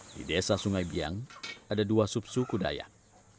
di desa sungai biang ada dua subsuku dayak